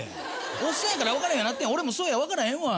オッサンやからわからへんようなってん俺もそうやわからへんわ。